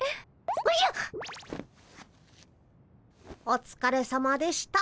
おつかれさまでした。